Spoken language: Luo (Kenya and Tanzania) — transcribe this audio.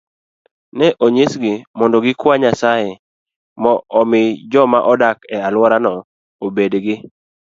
Ne onyisgi ni mondo gikwa Nyasaye omi joma odak e alworano obed gi